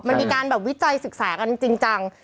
มันมีการแบบวิจัยศึกษากันจริงจัง